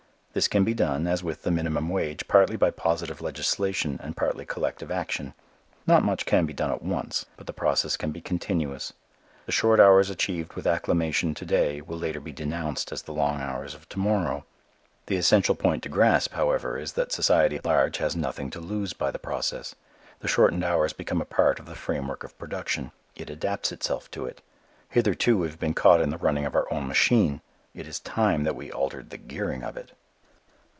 This can be done, as with the minimum wage, partly by positive legislation and partly collective action. Not much can be done at once. But the process can be continuous. The short hours achieved with acclamation to day will later be denounced as the long hours of to morrow. The essential point to grasp, however, is that society at large has nothing to lose by the process. The shortened hours become a part of the framework of production. It adapts itself to it. Hitherto we have been caught in the running of our own machine: it is time that we altered the gearing of it.